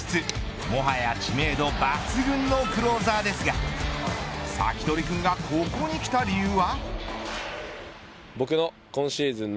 もはや、知名度抜群のクローザーですがサキドリ君がここに来た理由は。